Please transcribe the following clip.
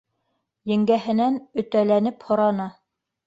Еңгәһенән өтәләнеп һораны: